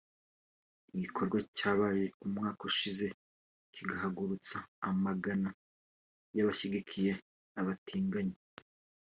igikorwa cyabaye umwaka ushize kigahagurutsa amagana y’abashyigikiye abatinganyi